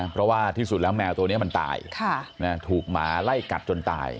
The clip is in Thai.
เพราะว่าที่สุดแล้วแมวตัวนี้มันตายถูกหมาไล่กัดจนตาย